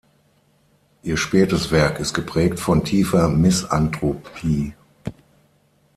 Ihr spätes Werk ist geprägt von tiefer Misanthropie.